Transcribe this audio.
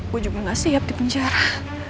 gue juga nggak siap di penjara